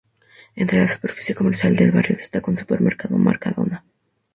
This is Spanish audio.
Entre la superficie comercial del barrio, destaca un supermercado Mercadona.